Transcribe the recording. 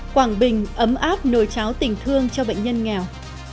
quảng bình ấm áp nồi cháo tình thương cho bệnh nhân nghèo